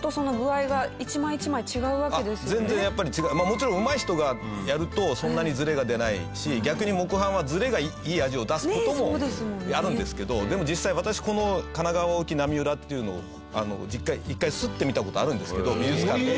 もちろんうまい人がやるとそんなにズレが出ないし逆に木版はズレがいい味を出す事もあるんですけどでも実際私この『神奈川沖浪裏』っていうのを一回摺ってみた事あるんですけど美術館で。